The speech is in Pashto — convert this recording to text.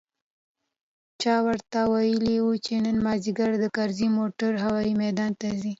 چا ورته ويلي و چې نن مازديګر د کرزي موټر هوايي ميدان ته ځي.